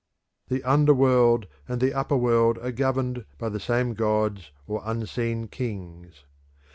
The under world and the upper world are governed by the same gods or unseen kings.